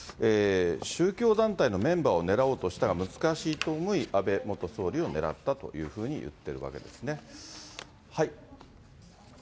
宗教団体のメンバーを狙おうとしたが、難しいと思い、安倍元総理を狙ったというふうに言ってるわけですね。